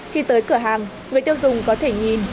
khi tới cửa hàng người tiêu dùng có thể nhìn